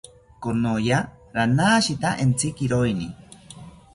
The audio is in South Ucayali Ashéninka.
Konoya ranashita entzikiroini